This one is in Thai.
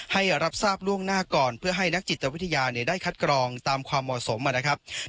ให้รับทราบล่วงหน้าก่อนเพื่อให้นักจิตวิทยาได้คัดกรองตามความเหมาะสมนะครับ